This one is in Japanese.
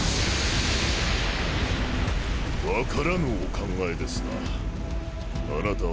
わからぬお考えですな。